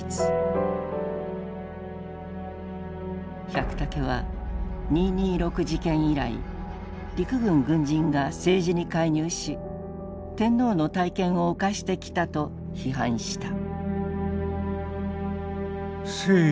百武は二・二六事件以来陸軍軍人が政治に介入し天皇の大権を侵してきたと批判した。